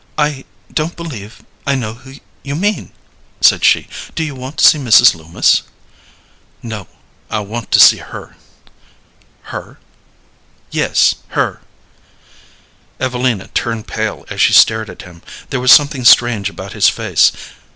"I don't believe I know who you mean," said she. "Do you want to see Mrs. Loomis?" "No; I want to see her." "Her?" "Yes, her." Evelina turned pale as she stared at him. There was something strange about his face.